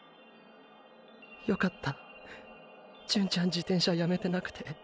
よかった純ちゃん自転車やめてなくて。